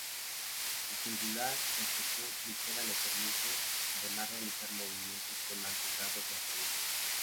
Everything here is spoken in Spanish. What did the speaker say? Su singular construcción ligera le permite además realizar movimientos con alto grado de realismo.